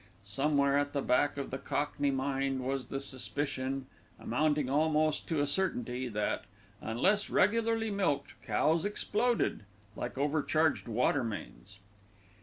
Somewhere at the back of the cockney mind was the suspicion, amounting almost to a certainty, that, unless regularly milked, cows exploded, like overcharged water mains.